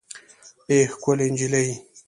اې ښکلې نجلۍ